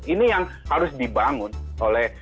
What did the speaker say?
ini yang harus dibangun oleh